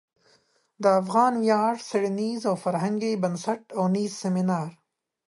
د افغان ویاړ څیړنیز او فرهنګي بنسټ او نیز سمینار